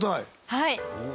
はい。